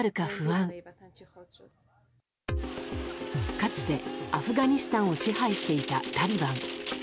かつてアフガニスタンを支配していたタリバン。